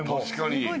確かに。